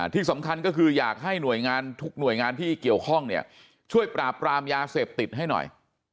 ที่สำคัญก็คืออยากให้หน่วยงานทุกหน่วยงานที่เกี่ยวข้องเนี่ยช่วยปราบปรามยาเสพติดให้หน่อย